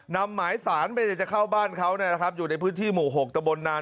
นำหมายสารไปจะเข้าบ้านเขาอยู่ในพื้นที่หมู่๖ตะบนนาน